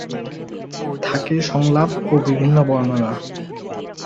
থাকে সংলাপ ও বিভিন্ন বর্ণনা।